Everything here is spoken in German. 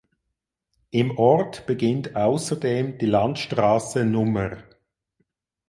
Im Ort beginnt außerdem die Landstraße Nr.